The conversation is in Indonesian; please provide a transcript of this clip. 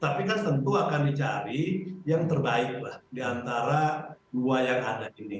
tapi kan tentu akan dicari yang terbaik lah diantara dua yang ada ini